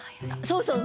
そうそう。